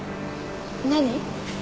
何？